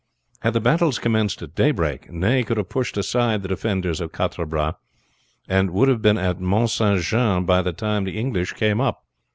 Had the battles commenced at daybreak, Ney could have brushed aside the defenders of Quatre Bras, and would have been at Mount St. Jean by the time the English came up.